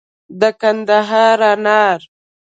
د کندهار انار